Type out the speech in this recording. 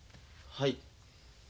はい。